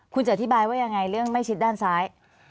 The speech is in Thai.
คุณจะอธิบายว่ายังไงเรื่องไม่ชิดด้านซ้าย